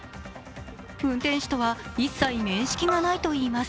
運転手とは一切面識がないといいます。